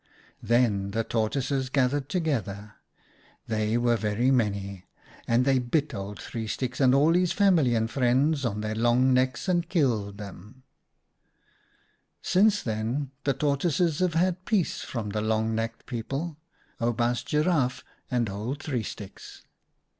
44 Then the Tortoises gathered together — they were very many — and they bit Old Three Sticks and all his family and friends on their long necks and killed them. THE OSTRICH HUNT 145 M Since then the Tortoises have had peace from the Long necked People— Oubaas Giraffe and old Three Sticks.